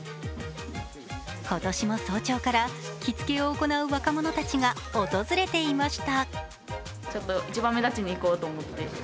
今年も早朝から着つけを行う若者たちが訪れていました。